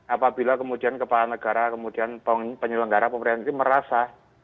apabila kemudian kepala negara kemudian penyelenggara pemerintah merasa